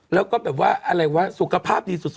แล้วก็แบบว่าสุขภาพดีสุด